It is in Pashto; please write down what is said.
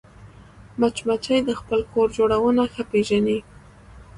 مچمچۍ د خپل کور جوړونه ښه پېژني